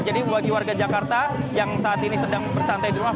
jadi bagi warga jakarta yang saat ini sedang bersantai di rumah